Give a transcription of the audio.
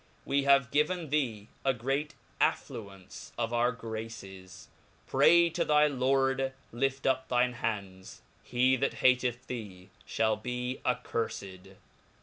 We have gi ivtn thee a great affluence of our graces. Pray to thy Lord, Wt up thine hands j he that hateth thee, (hall beaccurfed.